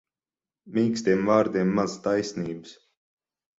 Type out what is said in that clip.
Mīkstiem vārdiem maz taisnības.